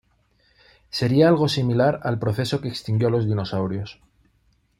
Sería algo similar al proceso que extinguió a los dinosaurios.